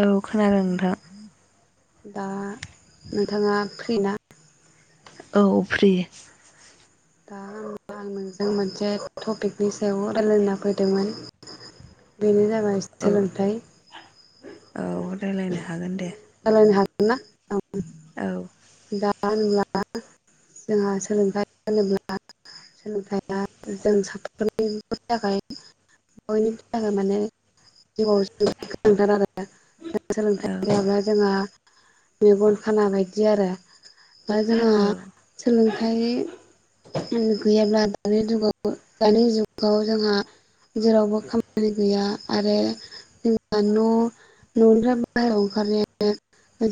औ खोनादों नोंथां दा नोंथाङा फ्रि ना? औ फ्रि दा आं नोंजों मोनसे टपिकनि सायाव रायलायनो फैदोंमोन। बेनो जाबाय औ सोलोंथाइ। औ रायलायनो हागोन दे। रायलायनो हागोनना [inaudible] औ [unintelligible] जोंहा सोलोंथाइ होनोब्ला सोलोंथाइया जों साफ्रोमनिबो थाखाय बयनिबो थाखाय माने जिउ आव [inaudible] औ सोलोंथाइ गैयाबा [unintelligible] मेगन खाना बायदि आरो। बा जोंहा औ सोलोंथाइ गैयाब्ला दानि जुगाव बो दानि जुगाव जोंहा जेरावबो खामानि गैया आरो जेबा न' न'निफ्राय बाहेरायाव ओंखारनाय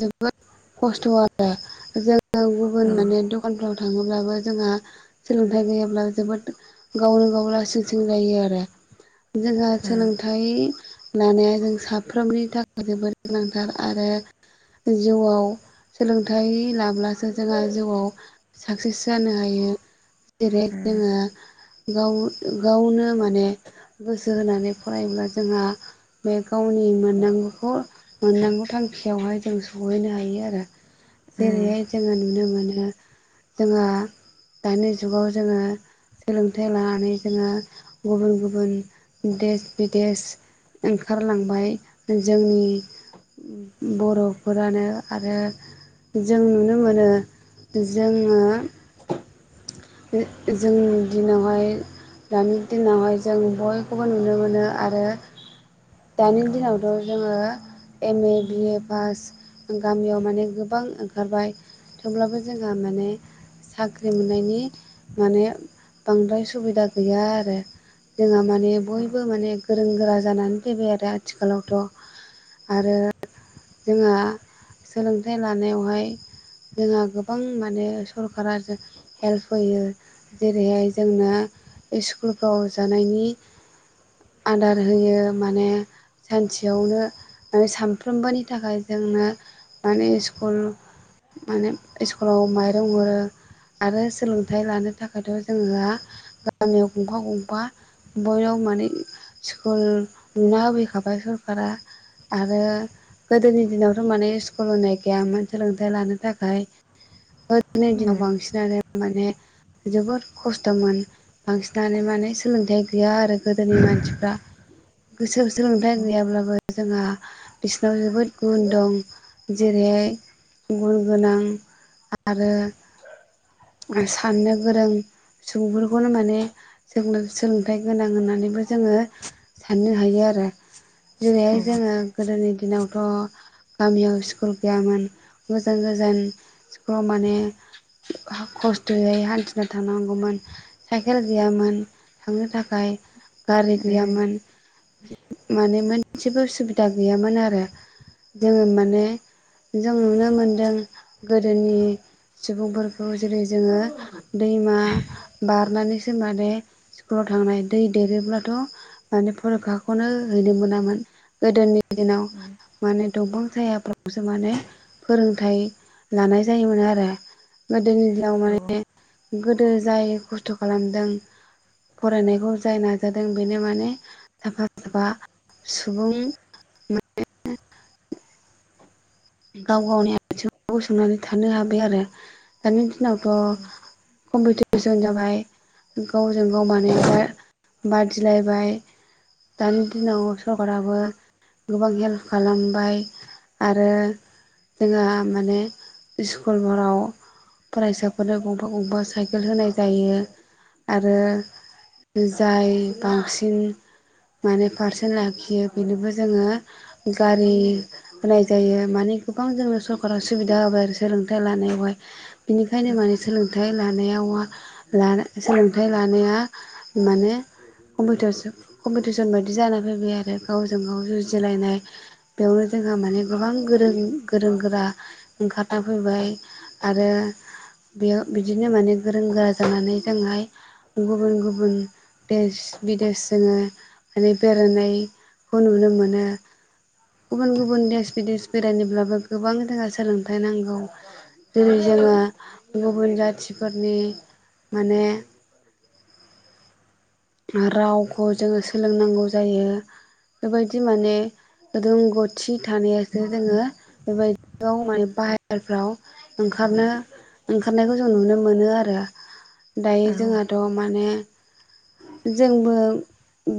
जोबोद खस्थ' आरो जोङो औ गुबुन माने दखानफ्राव थाङोब्लाबो जोंहा सोलोंथाइ गैयाब्ला जोबोद गावनो गाव लासिं सिं जायो आरो। [inaudible] जोंहा सोलोंथाइ लानाया जों साफ्रोमनि थाखाय जोबोद गोनांथार। आरो जिउआव सोलोंथाइ लाब्लासो जोंहा जिउआव साक्सेस जानो हायो। जेरै जोङो गाव गावनो माने गोसो होनानै फरायोब्ला जोंहा बे गावनि मोननांगौखौ मोननांगौ थांखियावहाय जों सहैनो हायो आरो। जेरैहाय जोङो नुनो मो नो जोंहा दानि जुगाव जोङो सोलोंथाइ लानानै जोङो गुबुन गुबुन देश बिदेश ओंखारलांबाय जोंनि बर'फोरानो आरो। जों नुनो मोनो जोङो ओ जोंनि दिनावहाय दानि दिनावहाय जों बयखौबो नुनो मोनो आरो दानि दिनावथ' जोङो M A B A pass गामियाव माने गोबां ओंखारबाय। थेवब्लाबो जोंहा माने साख्रि मोननायनि माने बांद्राय सुबिदा गैया आरो। जोंहा माने बयबो माने गोरों गोरा जानानै फैबाय आरो आथिखालावथ'। आरो जोंहा सोलोंथाइ लानायावहाय जोंहा गोबां माने सरखारारा जों हेल्प होयो जेरैहाय जोंनो स्कुलफ्राव जानायनि आदार होयो माने सानसेयावनो ओ सामफ्रोमबोनि थाखाय जोंनो माने स्कुल माने इस्कुलाव माइरं हरो। आरो सोलोंथाइ लानो थाखायथ' जोंहा गामियाव गंफा गंफा बयबो माने स्कुल लुना होफैखाबाय सरखारा। आरो गोदोनि दिनावथ' माने स्कुल होनाय गैयामोन सोलोंथाइ लानो थाखाय। [unintelligible] दिनाव बांसिनानो माने जोबोद खस्थ'मोन बांसिनानो माने सोलोंथाइ गैया आरो। गोदोनि मानसिफ्रा गोसो सोलोंथाइ गैयाब्लाबो जोंहा बिस [unintelligible] जोबोद गुन दं जेरैहाय गुन गोनां आरो [inaudible] साननो गोरों। सुबुंफोरखौनो माने सोलोंथाइ गोनां होननानैबो जोङो साननो हायो आरो। दिनैहाय जोङो गोदोनि दिनावथ' गामियाव स्कुल गैयामोन गोजान गोजान स्कुलाव माने हा खस्थ'यै हान्थिना थांनांगौमोन साइकेल गैयामोन। थांनो थाखाय। गारि गैयामोन माने मोनसेबो सुबिदा गैयामोन आ रो जोङो माने। जों नुनो मोनदों गोदोनि सुबुंफोरखौ जेरै जोङो दैमा बारनानै बिसोर माने स्कुलाव थांनाय दै देरोब्लाथ' माने फरिखाखौनो हैनो मोनामोन। गोदोनि दिनाव। दंफां सायाफ्रावसो माने फोरोंथाइ लानाय जायोमोन आरो। गोदोनि दिनाव माने गोदो जाय खस्थ' खालामदों फरायनायखौ जाय नाजादों बेनो माने साफा साफा सुबुंनि माने गाव गावनि आथिङाव गसंनानै थानो हाबाय आरो दानि दिनावथ'कम्पिउटार जाबाय गावजों गाव माने बादिलायबाय दानि दिनाव सरखाराबो गोबां हेल्प खालामबाय आरो जोंहा माने स्कुलफोराव फरायसाफोरनो गंफा गंफा साइकेल होनाय जायो। आरो जाय बांसिन माने पारचेन्ट लाखियो बेनोबो जोङो गारि होनाय जायो माने गोबां जोंनो सरकारा सुबिदा होबाय आरो सोलोंथाइ लानायावहाय। बिनिखायनो माने सोलोंथाइ लानो लानायाव सोलोंथाइ लानाया माने कम्पिटिस कम्फिदिसन बायदि जानानै फैबाय आरो गाव जों गाव जुजिलायनाय बेयावनो जोंहा माने गोबां गोरों गोरों गोरा ओंखारना फैबाय आरो बेयाव बिदिनो माने गोरों गोरा जानानै जोंहाय गुबुन गुबुन देश बिदेश जोङो माने बेरायनाय खौ नुनो मोनो गुबुन गुबुन देश बिदेश बेरायनोब्लाबो गोबां जोंहा सोलोंथाइ नांगौ। दिनै जोङो गुबुन जाथिफोरनि माने [inaudible] रावखौ जोङो सोलोंनांगौ जायो। बेबायदि माने रोंगौथि थानायासो जोङो बेबाय दियाव माने बाहेरफ्राव ओंखारनो ओंखारनायखौ जों नुनो मोनो आरो दायो औ औ जोंहाथ' माने जोंबो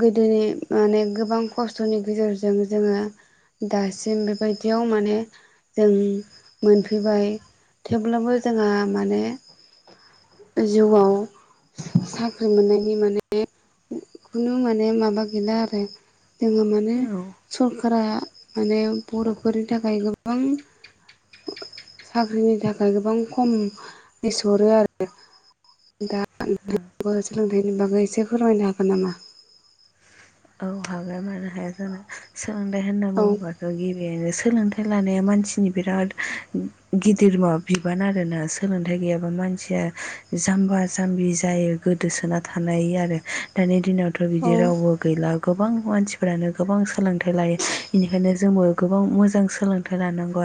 गोदोनि माने गोबां खस्थ'नि गेजेरजों जोङो दासिम बेबायदियाव माने जों मोनफैबाय। थेवब्लाबो जोंहा माने जिउआव साख्रि मोननायनि माने खुनु माने माबा गैला आरो जोङो माने औ स फोरा माने बर'फोरनि थाखाय गोबां साख्रिनि थाखाय गोबां खम लिस हरो आरो दा [inaudible] सोलोंथाइनि बागै एसे फोरमायनो हागोन नामा औ हागोन मानो हाया जानो सोलोंथाय होनना औ बुङोबाथ' गिबियावनो सोलोंथाइ लानाया मानसिनि बिराद गिदिर माबा बिबान आरोना सोलोंथाइ गैयाबा मानसि जामबा जाम्बि जायो गोदोसोना थानाय आरो दानि दिनावथ' बिदि औ रावबो दा गोबां मानसिफ्रानो गोबां सोलोंथाइ लायो बेनिखायनो जोंबो गोबां मोजां सोलोंथाइ लानांगौ।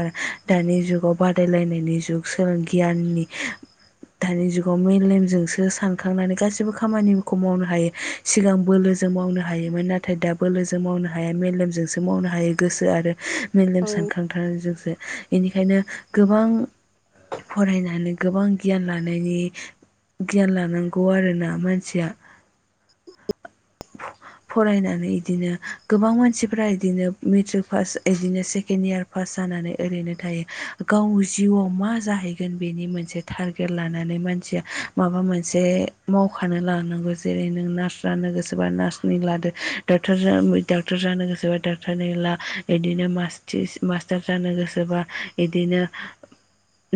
दानि जुगाव बादायलायनायनि जुग सोलों गियाननि दानि जुगाव मेलेमजोंसो सानखांनानै गासैबो खामानिफोरखौ मावनो हायो सिगां बोलोजों मावनो हायोमोन नाथाय दा बोलोजों मावनो हाया मेलेमजोंसो मावनो हायो गोसो आरो मेलेम औ सानखांथारनाय जोंसो बेनिखायनो गोबां फरायनानै गोबां गियान लानायनि गियान लानांगौ आरोना मानसिया फरायनानै इदिनो गोबां मानसिफ्रा इदिनो मेट्रिक पास इदिनो सेकेण्ड इयार पास जानानै ओरैनो थायो गाव जिउआव मा जाहैगोन बेनि मोनसे टारगेट लानानै मान सिया माबा मोनसे मावखानो लानांगौ जेरै नों नार्स जानो गोसोबा नार्स नि लादो डाक्टार जानो डाक्टार जानो गोसोबा डाक्टारनि ला बिदिनो मासतिस-मास टार जानो गोसोबा बिदिनो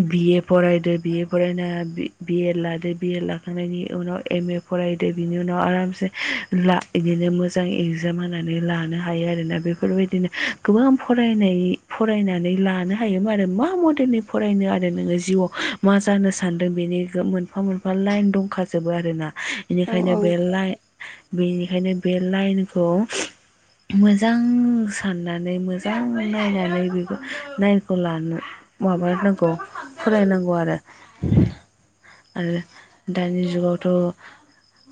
बिए फरायदो बिए फरायना बिए लादो बिए लाखांनायनि उनाव एम ए फरायदो बिनि उनाव आरामसे ला बिदिनो मोजां इग्जाम होनानै लानो हायो आरोना बेफोरबायदिनो गोबां फरायनाय फरायनानै लानो हायोमोन आरो मा मदेलनि फरायनो आरो नोङो जिउआव मा जानो सानदों बेनि मोनफा मोनफा लाइन दंखा जोबो आरोना औ औ बेनिखायनो बे लाइ बेनि खायनो बे लाइनखौ मोजां साननानै मोजां नायनानै बेखौ लाइनखौ लानो माबानांगौ फरायनांगौ आरो आरो दानि जुगावथ'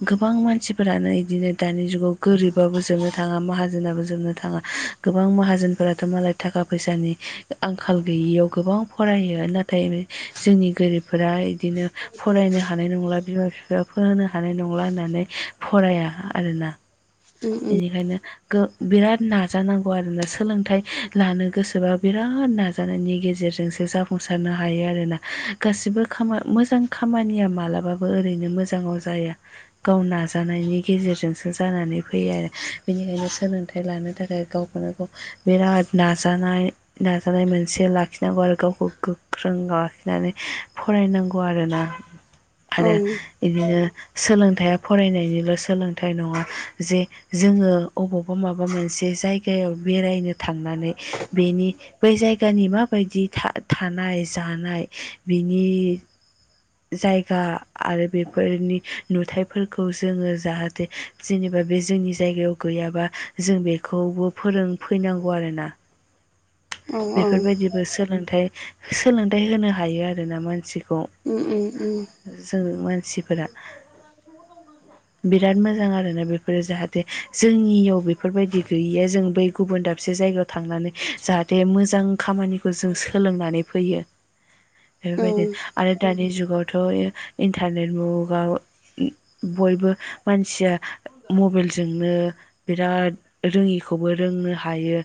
गोबां मानसिफोरानो इदिनो दानि जुगाव गोरिबाबो जोबनो थाङा माहाजोनाबो जोबनो थाङा गोबां माहाजोनफोराथ' मालाय थाखा थाखा फैसानि आंखाल गैयियाव गोबां फरायो नाथाय जोंनि गोरिबफोरा इदिनो फरायनो हानाय नंला बिमा बिफाया फोरोंनो हानाय नंला होननानै फराया आरोना बेनिखायनो बिराद नाजानांगौ आरोना सोलोंथाइ लानो गोसोबा बिराद नाजानायनि गेजेर- जोंसो जाफुंसारनो हायो आरोना गासिबो खामा मोजां खामानिया मालाबाबो ओरैनो मोजाङाव जाया गाव नाजानायनि गेजेरजोंसो जानानै फैयो आरो बेनिखायनो सोलोंथाइ लानो थाखाय गावखौनो गाव बिराद नाजानाय नाजानाय मोनसे लाखिनांगौ आरो गावखौ गोख्रों लाखिनानै फरायनांगौ आरोना आरो बिदिनो सोलोंथाइया फरायनायनिल' सोलोंथाइ नङा जे जोङो अबावबा माबा मोनसे जायगायाव बेरायनो थांनानै बेनि बै जायगानि माबायदि था-थानाय जानाय बिनि जायगा आरो बेफोरनि नुथायफोरखौ जोङो जाहाथे जेनेबा बे जोंनि जायगायाव गैयाबा जों बेखौबो फोरों फैनांगौ आरोना औ औ बेफोरबायदिबो सोलोंथाइ सोलोंथाइ होनो हायो आरोना मानसिखौ जों मानसिफोरा बिराद मोजां आरोना बेफोरो जाहाथे जोंनियाव बेफोरबायदि गैयिया जों बै गुबुन दाबसे जायगायाव थांनानै जाहाथे मोजां खामानिखौ जों सोलोंनानै फैयो बेबायदि आरो दानि जुग जुगावथ' इन्टारनेट मुगा बयबो मानसिया मबाइलजोंनो बिराद रोङिखौबो रोंनो हायो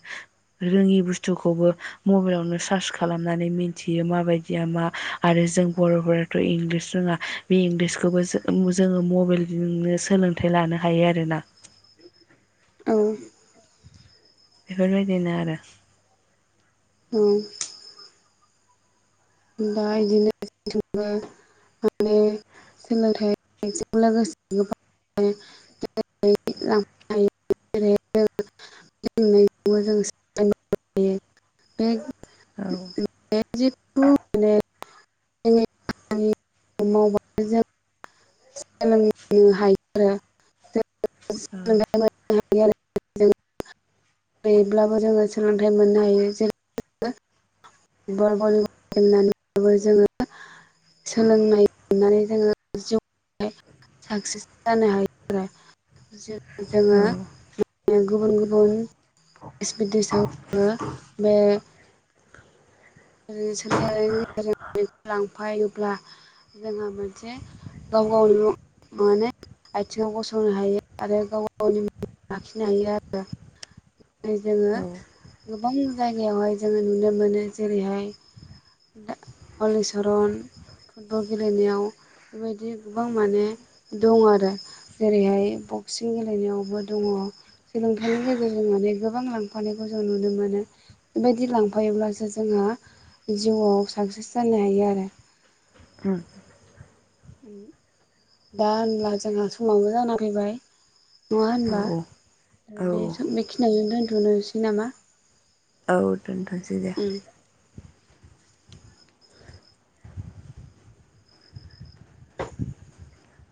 रोङि बुस्थुखौबो मबाइलावनो सार्च खालामनानै मिनथियो माबायदिया मा आरो जों बर'फोरा इंलिस रोङा बे इंग्लिसखौबो जो-जोङो मबाइलजोंनो सोलोंथाइ लानो हायो आरोना [unintelligible] [inaudible] औ बेफोरबायदिनो आरो औ दा इदिनोबो माने सोलोंथाइजों लोगोसे गोबां [inaudible] [inaudible] [inaudible] [unintelligible] औ बे जिथु [inaudible] [unintelligible] सोलोंनो हायो [inaudible] [unintelligible] [inaudible] [unintelligible] अब्लाबो जोङो सोलोंथाइ मोननो हायो जेरैबा फुटबल भलिबल गेलेनानैबो जोङो सोलोंनाय मोननानै जिउ साक्सेस जानो हायो औ गुबुन गुबुन देस बिदेसावबो [unintelligible] [unintelligible] जोंहा मोनसे गाव गाव माने आथिङाव गसंनो हायो आरो गाव गावनि लाखिनो हायो आरो। जोङो गोबां जायगायावहाय जोङो नुनो मोनो जेरैहाय दा हलि सरन। फुटबल गेलेनायाव बेबायदि गोबां माने दं आरो जेरैहाय बक्सिं गेलेनायावबो दङ सोलोंथाइनि गेजेरजों माने गोबां लांफानायखौ जों नुनो मोनो। बेबायदि लांफायोब्लासो जोंहा जिउआव साक्सेस जानो हायो आरो। ओम। ओम दा होनब्ला जोंहा समावबो जाना फैबाय। नङा होनबा? औ औ दा बे बेखिनियावनो दोन्थ'नोसै नामा? औ दोनथ'सै दे। उम।